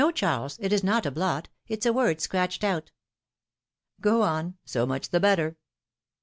315 Charles, it is not a blot; it's a word scratched out." Go on ; so much the better."